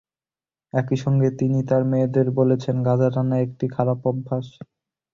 একই সঙ্গে তিনি তাঁর মেয়েদের বলেছেন, গাঁজা টানা একটি খারাপ অভ্যাস।